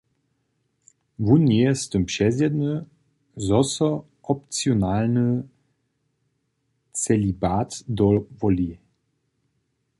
Wón njeje z tym přezjedny, zo so opcionalny celibat dowoli.